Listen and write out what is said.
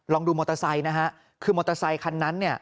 ลองดูมอเตอร์ไซค์คือมอเตอร์ไซค์คันนั้น